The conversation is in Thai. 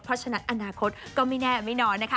เพราะฉะนั้นอนาคตก็ไม่แน่ไม่นอนนะคะ